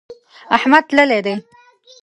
احمد تللی دی.